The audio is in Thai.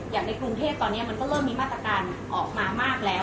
ในกรุงเทพตอนนี้มันก็เริ่มมีมาตรการออกมามากแล้ว